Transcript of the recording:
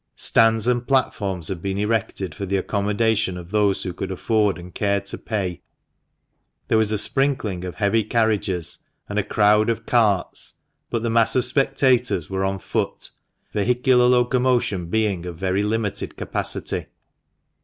Stands and platforms had been erected for the accommodation of those who could afford and cared to pay ; there was a sprinkling of heavy carriages, and a crowd of carts, but the mass of spectators were on foot, vehicular locomotion being of very limited capacity.